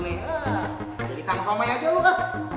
heee di tang koma aja lo kan